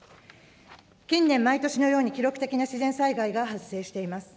近年、毎年のように、記録的な自然災害が発生しています。